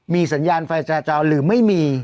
มีสัญญาณไฟจราจรหรือไม่มี